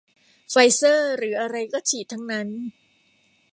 ไฟเซอร์หรืออะไรก็ฉีดทั้งนั้น